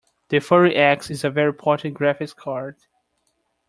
The Fury X is a very potent graphics card.